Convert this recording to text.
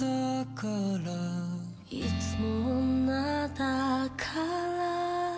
「いつも女だから」